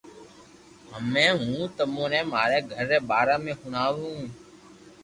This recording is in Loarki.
ھمو ھون تموني ماري گھر ري باري ۾ ھڻاوُ